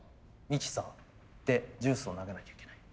ミキサーでジュースを投げなきゃいけない。